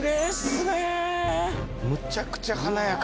むちゃくちゃ華やか。